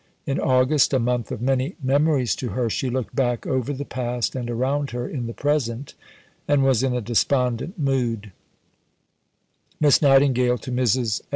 In August, a month of many memories to her, she looked back over the past and around her in the present, and was in a despondent mood: (_Miss Nightingale to Mrs. S.